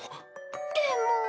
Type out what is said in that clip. でも。